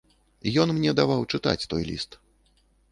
Ён мне даваў чытаць той ліст.